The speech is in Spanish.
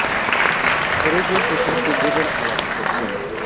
Por ello es mejor que lleve a la reflexión.